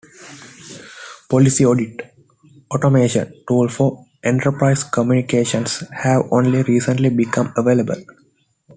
Policy Audit Automation tools for enterprise communications have only recently become available.